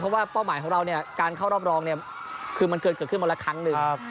เพราะว่าเป้าหมายของเราการเข้ารอบรองคือมันเกิดเกิดขึ้นมาละครั้งหนึ่ง